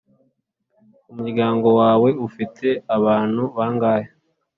umuryango wawe ufite abantu bangahe